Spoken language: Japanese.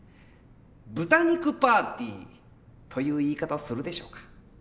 「豚肉パーティー」という言い方をするでしょうか。